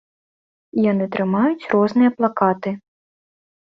Яны трымаюць розныя плакаты.